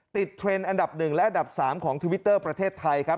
เทรนด์อันดับ๑และอันดับ๓ของทวิตเตอร์ประเทศไทยครับ